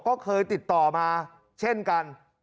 ก็เคยติดต่อมาเช่นกัน